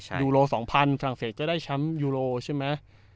ใช่ใช่ยูโรสองพันธุ์ฝรั่งเศสก็ได้ช้ำยูโรใช่ไหม